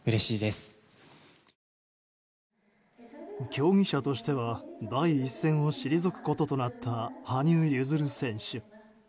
競技者としては第一線を退くこととなった羽生結弦選手。